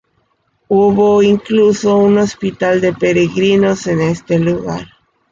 Hubo incluso un hospital de peregrinos en este lugar.